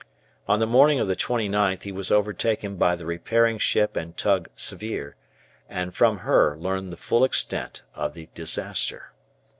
On the morning of the 29th he was overtaken by the repairing ship and tug "Svir," and from her learned the full extent of the disaster.